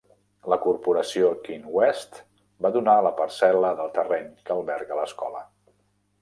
La Corporació Kinwest va donar la parcel·la de terreny que alberga l'escola.